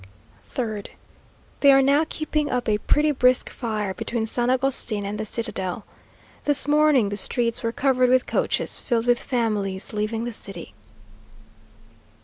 3rd. They are now keeping up a pretty brisk fire between San Agustin and the citadel. This morning the streets were covered with coaches, filled with families leaving the city.